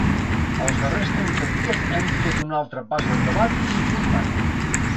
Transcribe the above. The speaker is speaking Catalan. Els darrers trenta dies hem fet un altre pas endavant important.